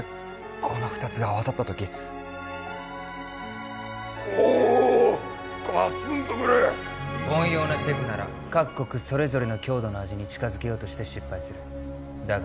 この二つが合わさった時おっガツンとくる凡庸なシェフなら各国それぞれの郷土の味に近づけようとして失敗するだが今回の岳は違う